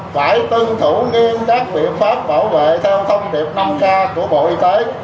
phải tương thủ nghiên các biện pháp bảo vệ theo thông điệp năm k của bộ y tế